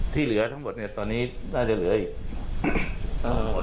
ที่เหลือทั้งหมดเนี่ยตอนนี้น่าจะเหลืออีก